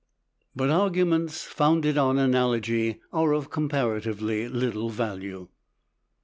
But arguments founded on analogy are of comparatively little value.